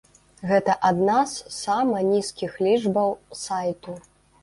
Гэта адна з сама нізкіх лічбаў сайту.